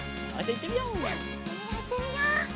いってみよういってみよう。